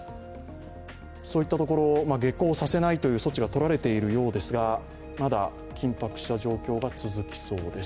そういったところ、下校させないという措置が取られているようですが、まだ緊迫した状況が続きそうです。